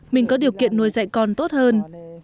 mình có điều kiện nuôi dạy con tốt hơn